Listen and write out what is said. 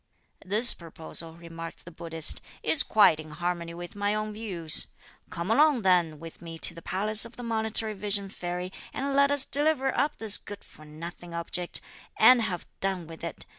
"This proposal," remarked the Buddhist, "is quite in harmony with my own views. Come along then with me to the palace of the Monitory Vision Fairy, and let us deliver up this good for nothing object, and have done with it!